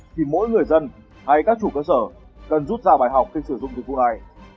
thì mỗi người dân hay các chủ cơ sở cần rút ra bài học khi sử dụng dịch vụ này